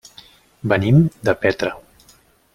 Venim de Petra.